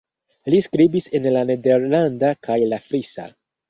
Li skribis en la nederlanda kaj la frisa.